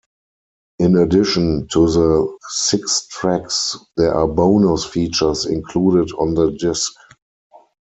In addition to the six tracks, there are bonus features included on the disc.